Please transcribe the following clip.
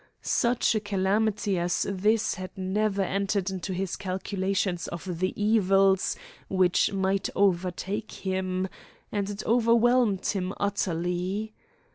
Such a calamity as this had never entered into his calculations of the evils which might overtake him, and it overwhelmed him utterly.